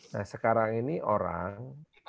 nah sekarang ini orang